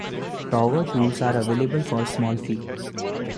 Tower tours are available for a small fee.